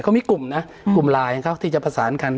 เขามีกลุ่มนะกลุ่มไลน์ของเขาที่จะประสานกัน